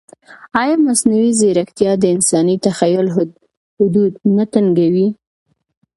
ایا مصنوعي ځیرکتیا د انساني تخیل حدود نه تنګوي؟